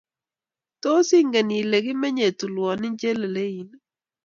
tos inget ile kimenyei tulwoni chelelein